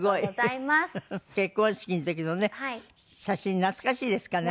結婚式の時のね写真懐かしいですかね？